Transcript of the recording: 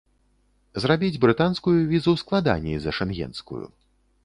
Зрабіць брытанскую візу складаней за шэнгенскую.